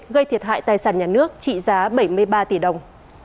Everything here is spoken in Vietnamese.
gây thiệt hại tài sản nhà nước trị giá bảy mươi ba tỷ đồng